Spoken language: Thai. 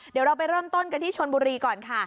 เดี๋ยวเราไปเริ่มต้นกันที่ชนบุรีก่อนค่ะ